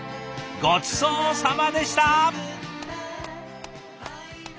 ごちそうさまでした。